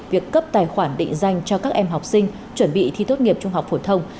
việc cấp tài khoản định danh cho các em học sinh chuẩn bị thi tốt nghiệp trung học phổ thông